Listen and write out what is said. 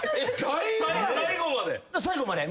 最後まで？